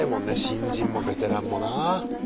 新人もベテランもな。